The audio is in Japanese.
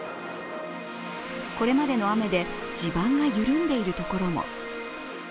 これまでの雨で地盤が緩んでいるところも。